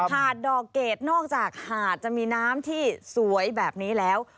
หาดดอกเกดนอกจากหาดจะมีน้ำที่สวยแบบนี้แล้ว